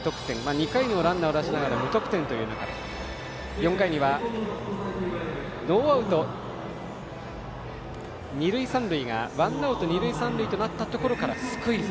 ２回にもランナーを出しながら無得点という中で４回にはノーアウト、二塁三塁がワンアウト二塁三塁となったところからスクイズ。